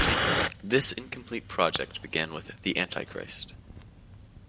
This incomplete project began with "The Antichrist".